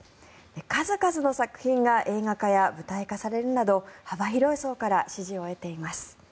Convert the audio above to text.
数々の作品が映画化や舞台化されるなど幅広い層から支持を得ています。